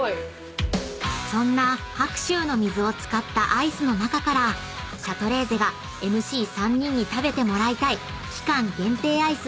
［そんな白州の水を使ったアイスの中からシャトレーゼがＭＣ３人に食べてもらいたい期間限定アイス